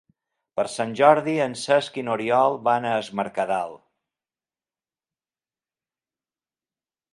Per Sant Jordi en Cesc i n'Oriol van a Es Mercadal.